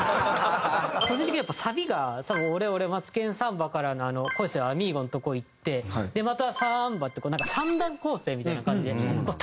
個人的にやっぱサビが「オーレオレマツケンサンバ」からの「恋せよアミーゴ」のとこいってまた「サンバ」って３段構成みたいな感じで畳みかけ。